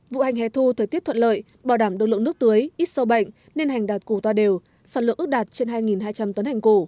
vụ hành hè thu thời tiết thuận lợi bảo đảm đồng lượng nước tưới ít sâu bệnh nên hành đạt củ toa đều sản lượng ước đạt trên hai hai trăm linh tấn hành củ